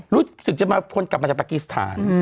รู้สึกจะมาพ้นกลับมาจากปากีสถาน